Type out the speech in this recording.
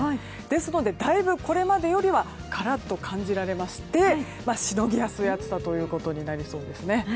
ですので、だいぶこれまでよりはカラッと感じられましてしのぎやすい暑さとなりそうですね。